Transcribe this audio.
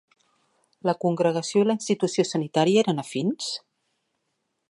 La congregació i la institució sanitària eren afins?